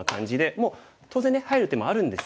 もう当然ね入る手もあるんですが。